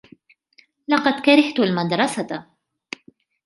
لقد كَرِهتُ المَدرَسَة.